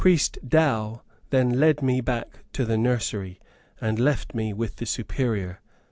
Priest Dow then led me back to the nursery, and left me with the Superior.